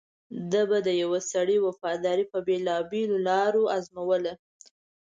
ده به د یوه سړي وفاداري په بېلابېلو لارو ازمویله.